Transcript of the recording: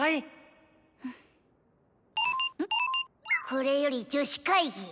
「これより女子会議」。